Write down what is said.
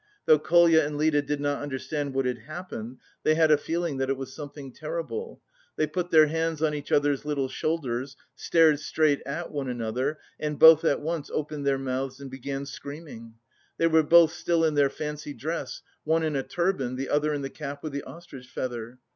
Though Kolya and Lida did not understand what had happened, they had a feeling that it was something terrible; they put their hands on each other's little shoulders, stared straight at one another and both at once opened their mouths and began screaming. They were both still in their fancy dress; one in a turban, the other in the cap with the ostrich feather.